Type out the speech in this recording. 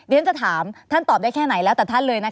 ฉันจะถามท่านตอบได้แค่ไหนแล้วแต่ท่านเลยนะคะ